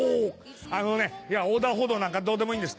「あのねいや横断歩道なんかどうでもいいんです。